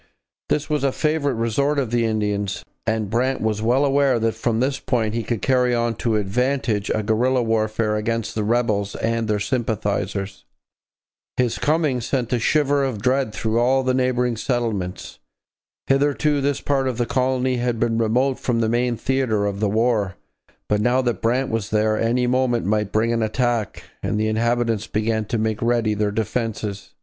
This was a favourite resort of the Indians, and Brant was well aware that from this point he could carry on to advantage a guerrilla warfare against the rebels and their sympathizers. His coming sent a shiver of dread through all the neighbouring settlements. Hitherto this part of the colony had been remote from the main theatre of the war, but now that Brant was there any moment might bring an attack, and the inhabitants began to make ready their defences.